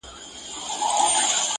د مېړنیو د سنګر مېنه ده٫